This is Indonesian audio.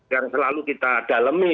yang selalu kita dalemi